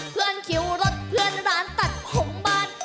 เพื่อนคิวรถเพื่อนร้านตัดผงบ้าน